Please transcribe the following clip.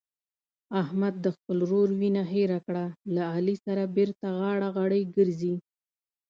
احمد د خپل ورور وینه هېره کړه له علي سره بېرته غاړه غړۍ ګرځي.